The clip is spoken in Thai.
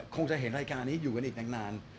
คงจะเห็นรายการนี้อยู่กันอีกนาน